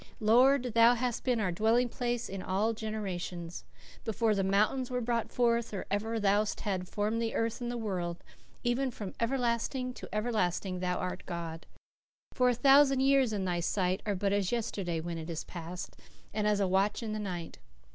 "Lord, thou hast been our dwelling place in all generations. Before the mountains were brought forth, or ever thou hadst formed the earth and the world, even from everlasting to everlasting thou art God.... For a thousand years in thy sight are but as yesterday when it is past, and as a watch in the night....